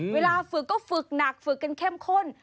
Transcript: เวลาฝึกก็ฝึกหนักฝึกกันเข้มข้น